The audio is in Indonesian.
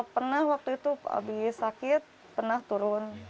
pernah waktu itu habis sakit pernah turun